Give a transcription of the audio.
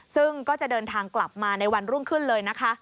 ซึ่งก็จะเดินทางกลับมาในวันรุ่งขึ้นเลยนะคะ